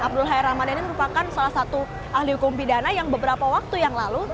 abdul hai ramadan ini merupakan salah satu ahli hukum pidana yang beberapa waktu yang lalu